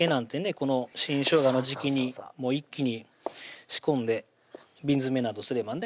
この新しょうがの時季に一気に仕込んで瓶詰めなどすればね